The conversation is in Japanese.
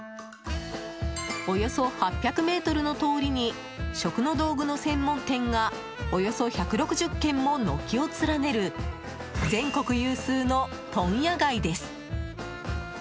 およそ８００ｍの通りに食の道具の専門店がおよそ１６０軒も軒を連ねる全国有数の問屋街です。